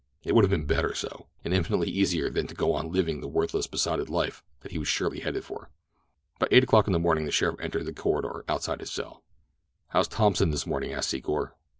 It would have been better so, and infinitely easier than to go on living the worthless, besotted life that he was surely headed for. About eight o'clock in the morning the sheriff entered the corridor outside his cell. "How's Thompson this morning?" asked Secor.